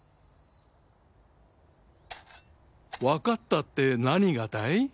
分かったって何がだい？